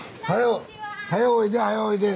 はい。